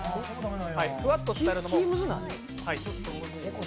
ふわっと伝えるのも。